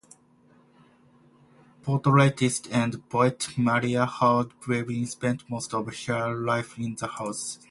Portraitist and poet Maria Howard Weeden spent most of her life in the house.